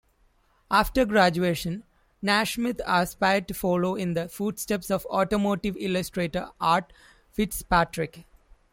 After graduation, Nasmith aspired to follow in the footsteps of automotive illustrator Art Fitzpatrick.